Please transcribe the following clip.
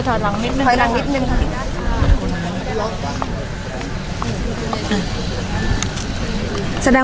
ภาษาสนิทยาลัยสุดท้าย